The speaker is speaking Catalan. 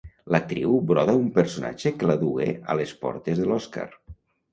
L'actriu broda un personatge que la dugué a les portes de l'Oscar.